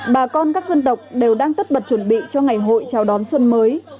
bà con các dân tộc đều đang tất bật chuẩn bị cho ngày hội chào đón xuân mới